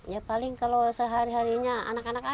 ya paling kalau sehari harinya anak anak aja